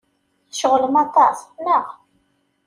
Tceɣlem aṭas, naɣ?